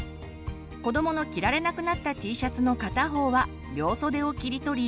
こどもの着られなくなったＴシャツの片方は両袖を切り取り